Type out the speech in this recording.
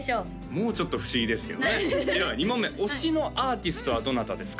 もうちょっと不思議ですけどねでは２問目推しのアーティストはどなたですか？